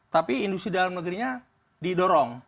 tapi industri dalam negerinya didorong